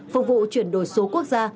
phục vụ chuyển đổi số quốc gia